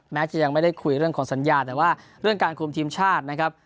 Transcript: จะยังไม่ได้คุยเรื่องของสัญญาแต่ว่าเรื่องการคุมทีมชาตินะครับ